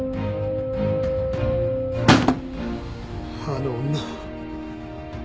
あの女！